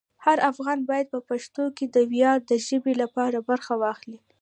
هر افغان باید په پښتو کې د ویاړ د ژبې لپاره برخه واخلي.